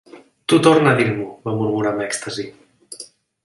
Tu torna a dir-m'ho, va murmurar amb èxtasi.